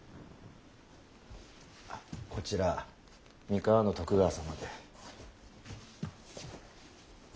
こちら三河の徳川様で。